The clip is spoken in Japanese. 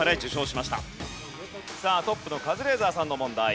さあトップのカズレーザーさんの問題。